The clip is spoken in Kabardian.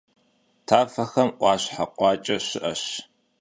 Tafexem 'Uaşhe, khuaç'e şı'eş.